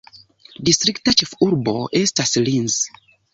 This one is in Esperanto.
Distrikta ĉefurbo estas Linz.